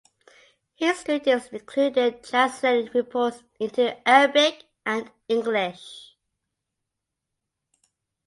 His duties included translating reports into Arabic and English.